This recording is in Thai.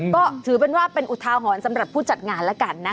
ก็ถือเป็นว่าเป็นอุทาหรณ์สำหรับผู้จัดงานแล้วกันนะ